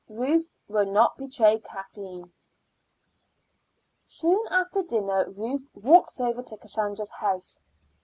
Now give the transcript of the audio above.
RUTH WILL NOT BETRAY KATHLEEN. Soon after dinner Ruth walked over to Cassandra's house.